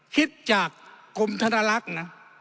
คิดจากกรมธนลักษณ์นะ